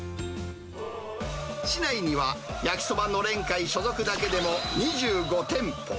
市内には焼そばのれん会所属だけでも、２５店舗。